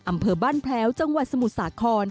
อำเภอบ้านแพ้วจังหวัดสมุทรสาคร